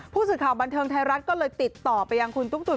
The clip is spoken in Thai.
ผู้สื่อข่าวบันเทิงไทยรัฐก็เลยติดต่อไปยังคุณตุ๊กตุ๋น